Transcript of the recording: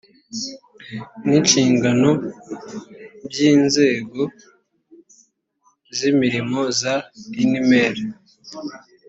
n inshingano by inzego z imirimo za inmr